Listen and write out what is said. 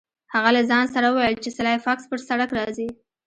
هغه له ځان سره وویل چې سلای فاکس پر سړک راځي